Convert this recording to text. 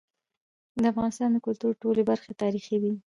د افغانستان د کلتور ټولي برخي تاریخي دي.